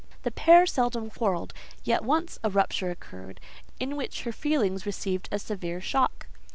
The pair seldom quarrelled; yet once a rupture occurred, in which her feelings received a severe shock.